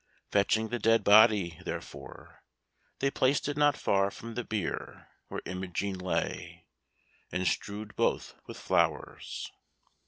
Fetching the dead body, therefore, they placed it not far from the bier where Imogen lay, and strewed both with flowers.